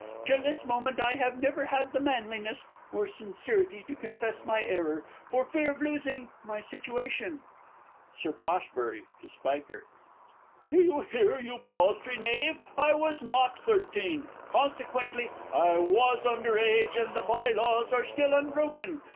Till this moment I have never had the manliness or sincerity to confess my error, for fear of losing my situation. Sir P. (to SPIKER). Do you hear, you paltry knave? I was not thirteen. Consequently, I was under age, and the Bye laws are still unbroken.